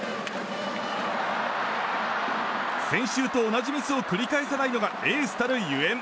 先週と同じミスを繰り返さないのがエースたるゆえん。